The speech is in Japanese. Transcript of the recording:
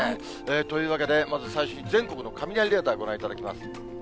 というわけでまず、最新の全国の雷レーダー、ご覧いただきます。